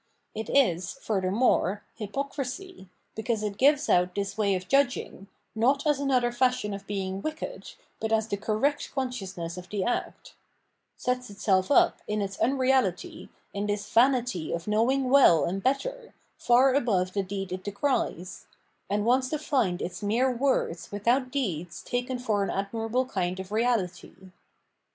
It is, furthermore, hypocrisy, because it gives out this way of judging, not as another fashion of being wicked, but as the correct consciousness of the act ; sets itself up, in its unreality, in this vanity of knowing well and better, far above the deeds it decries ; and wants to find its mere words without deeds taken for an admirable kind of reality.